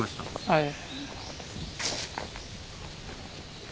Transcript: はい。